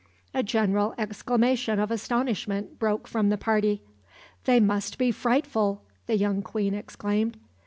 A general exclamation of astonishment broke from the party. "They must be frightful!" the young queen exclaimed.